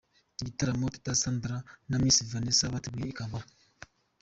Igitaramo Teta Sandra na Miss Vanessa bateguye i Kampala.